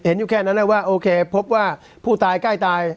อยู่แค่นั้นแหละว่าโอเคพบว่าผู้ตายใกล้ตาย